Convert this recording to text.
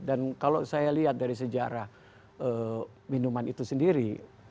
dan kalau saya lihat dari sejarah minuman itu sendiri